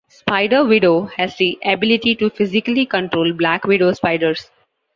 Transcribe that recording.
Spider Widow has the ability to psychically control black widow spiders.